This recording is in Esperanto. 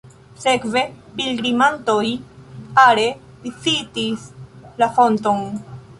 Sekve pilgrimantoj are vizitis la fonton.